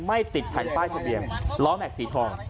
ไม่ติดแผ่นป้ายทะเบียนล้อแม็กซสีทอง